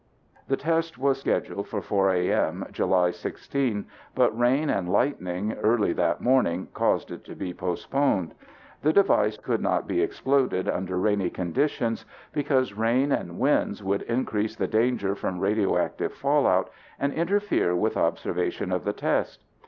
The test was scheduled for 4 a.m. July 16, but rain and lightning early that morning caused it to be postponed. The device could not be exploded under rainy conditions because rain and winds would increase the danger from radioactive fallout and interfere with observation of the test.